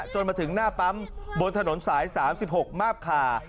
จนมาถึงหน้าปั๊มบนถนนสาย๓๖มาบคา